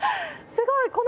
すごい！